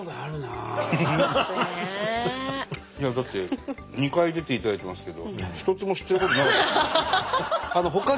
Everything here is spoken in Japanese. いやだって２回出ていただいてますけど一つも知ってることなかったですよね。